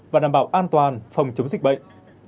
và đảm bảo an toàn phòng chống dịch bệnh